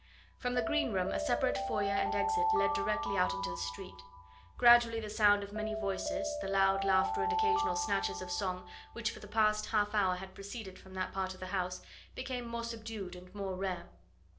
From the green room a separate foyer and exit led directly out into the street. Gradually the sound of many voices, the loud laughter and occasional snatches of song which for the past half hour had proceeded from that part of the house, became more subdued and more rare.